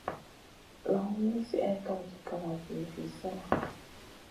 Lawn min slihè kalgi kalavi zi slena.